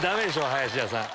林田さん。